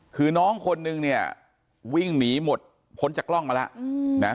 คือน้องคนนึงเนี่ยวิ่งหนีหมดพ้นจากกล้องมาแล้วนะ